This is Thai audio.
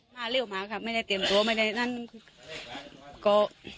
มาเลี่ยวหมาค่ะไม่ได้เตรียมตัวไม่ได้นั่นก็